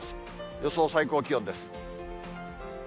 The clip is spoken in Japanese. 予想最高気温です。